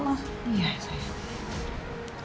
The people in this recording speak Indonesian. udah kamu jangan berpikir